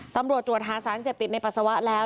ตำรวจตัวท้าสารเสพติดในปัสสาวะแล้ว